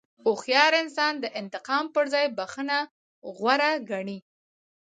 هوښیار انسان د انتقام پر ځای بښنه غوره ګڼي.